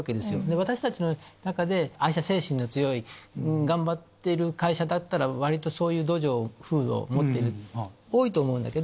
私たちの中で愛社精神の強い頑張ってる会社だったら割とそういう風土を持ってるって多いと思うんだけど。